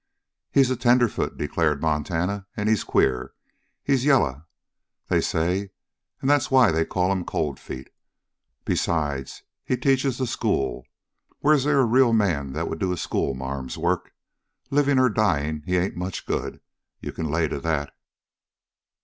"He's a tenderfoot," declared Montana, "and he's queer. He's yaller, they say, and that's why they call him Cold Feet. Besides, he teaches the school. Where's they a real man that would do a schoolma'am's work? Living or dying, he ain't much good. You can lay to that!"